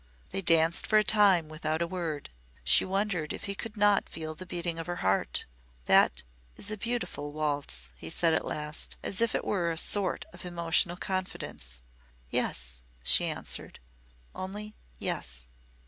They danced for a time without a word. She wondered if he could not feel the beating of her heart. "That is a beautiful waltz," he said at last, as if it were a sort of emotional confidence. "Yes," she answered. Only, "Yes."